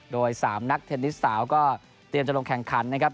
โดย๓นักเทนนิสสาวก็เตรียมจะลงแข่งขันนะครับ